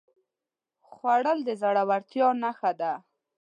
خوړل د زړورتیا نښه ده